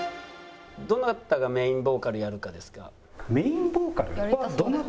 「どなたがメインボーカルをやるかですが」。